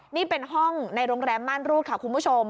นี่เป็นห้องในโรงแรมม่านรูดค่ะคุณผู้ชม